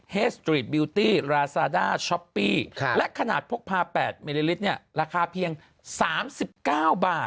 สตรีทบิวตี้ราซาด้าช้อปปี้และขนาดพกพา๘มิลลิลิตรเนี่ยราคาเพียง๓๙บาท